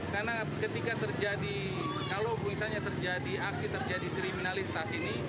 karena ketika terjadi kalau misalnya terjadi aksi terjadi kriminalitas ini